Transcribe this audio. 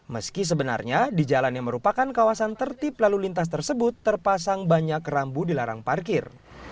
meski sebenarnya di jalan yang merupakan kawasan tertib lalu lintas tersebut terpasang banyak rambu dilarang parkir